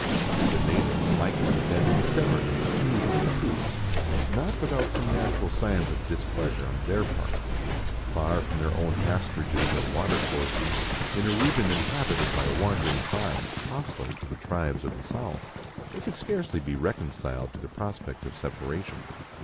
The natives likewise had to be severed into two equal troops, not without some natural signs of dis pleasure on their part ; far from their own pasturages and water courses, in a region inhabited by wandering tribes hostile to the tribes of the south, they could scarcely be reconciled to the prospect of separation.